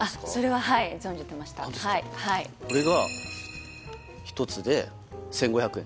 はいはいこれが１つで１５００円